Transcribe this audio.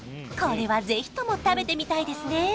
これはぜひとも食べてみたいですね！